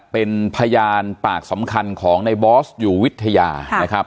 เป็นพยานปากสำคัญของในบอสอยู่วิทยานะครับ